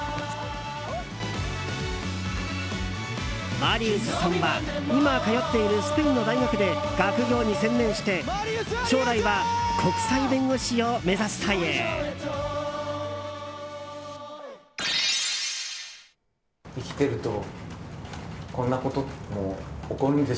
マリウスさんは今通っているスペインの大学で学業に専念して将来は国際弁護士を目指すという。